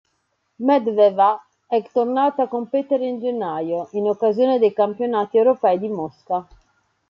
Medvedeva è tornata a competere in gennaio, in occasione dei campionati europei di Mosca.